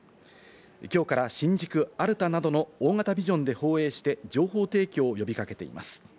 きょうから新宿アルタなどの大型ビジョンで放映して情報提供を呼び掛けています。